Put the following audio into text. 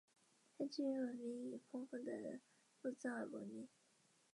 原属阿尔帕德的部落以阿尔帕德之子索尔坦为大公。